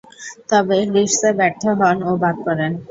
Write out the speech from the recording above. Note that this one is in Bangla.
তবে, লিডসে ব্যর্থ হন ও বাদ পড়েন।